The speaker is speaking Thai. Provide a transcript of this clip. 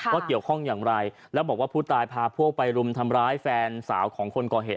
เกี่ยวข้องอย่างไรแล้วบอกว่าผู้ตายพาพวกไปรุมทำร้ายแฟนสาวของคนก่อเหตุ